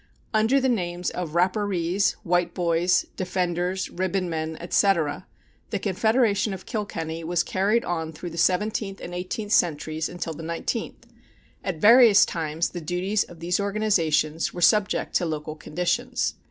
Under the names of Rapparees, Whiteboys, Defenders, Ribbonmen, etc., the Confederation of Kilkenny was carried on through the seventeenth and eighteenth centuries until the nineteenth. At various times the duties of these organizations were subject to local conditions.